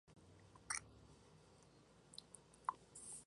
Se convirtió en la revista ilustrada socialista más leída en Alemania.